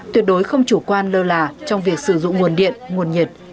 tuyệt đối không chủ quan lơ là trong việc sử dụng nguồn điện nguồn nhiệt